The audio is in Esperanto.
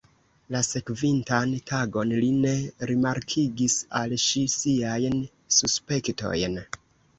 La sekvintan tagon li ne rimarkigis al ŝi siajn suspektojn.